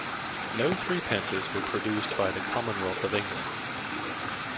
No threepences were produced by the Commonwealth of England.